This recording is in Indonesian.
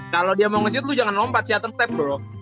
kalo dia mau nge sit lu jangan lompat si other type bro